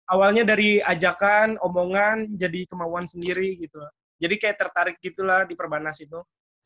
awalnya dari ajakan omongan jadi kemauan sendiri gitu jadi kayak tertarik gitu lah di perbanas itu